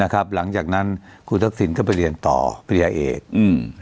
นะครับหลังจากนั้นคุณทักศิลป์ก็ไปเรียนต่อเป็นยาเอกอืม